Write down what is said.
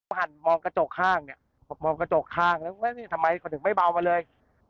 แล้วพี่ผ่านมองกระจกข้างเนี้ยมองกระจกข้างแล้วว่าที่ทำไมเขาถึงไม่เบามาเลย